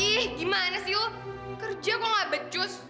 ih gimana sih lo kerja kok gak becus